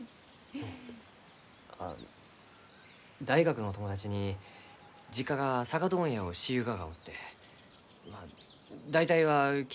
あ大学の友達に実家が酒問屋をしゆうががおってまあ大体は聞いちょったけんど。